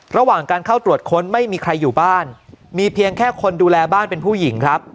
ระหว่างการเข้าตรวจค้นไม่มีใครอยู่บ้านมีเพียงแค่คนดูแลบ้านเป็นผู้หญิงครับ